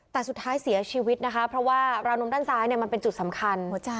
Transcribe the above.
แต่สุดท้ายเสียชีวิตนะคะเพราะว่าราวนมด้านซ้ายมันเป็นจุดสำคัญ